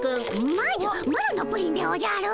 まずマロのプリンでおじゃる。